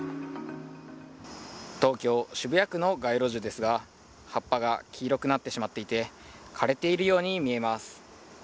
東京・渋谷区の街路樹ですが葉っぱが黄色くなってしまっていて枯れているように見えます。